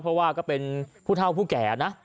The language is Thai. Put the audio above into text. เพราะว่าก็เป็นผู้เท่าผู้แก่นะ